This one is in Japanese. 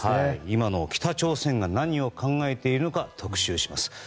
今の北朝鮮が、何を考えているのか特集します。